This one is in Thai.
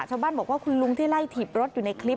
ชาวบ้านบอกว่าคุณลุงที่ไล่ถีบรถอยู่ในคลิป